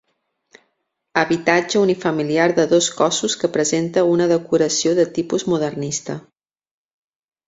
Habitatge unifamiliar de dos cossos que presenta una decoració de tipus modernista.